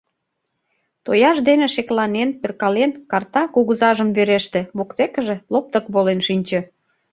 Тояж дене шекланен, перкален, карта кугызажым вереште, воктекыже лоптык волен шинче.